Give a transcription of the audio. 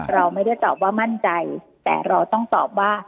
เราไม่ได้ตอบว่ามั่นใจแต่เราต้องตอบว่า